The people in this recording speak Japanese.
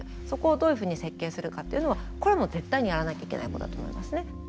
そこをどういうふうに設計するかっていうのはこれはもう絶対にやらなきゃいけないことだと思いますね。